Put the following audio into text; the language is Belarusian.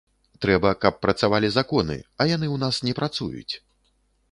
Трэба, каб працавалі законы, а яны ў нас не працуюць.